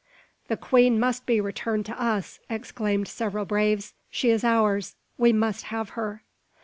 "The queen must be returned to us!" exclaimed several braves; "she is ours; we must have her!"